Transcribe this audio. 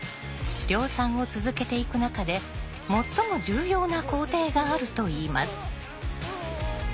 量産を続けていく中で最も重要な工程があるといいます。